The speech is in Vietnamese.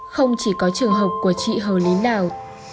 không chỉ có trường học của chị hờ lý đào